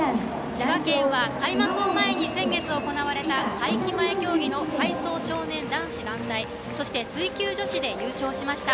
千葉県は開幕を前に先月行われた会期前競技の体操少年男子団体そして、水球女子で優勝しました。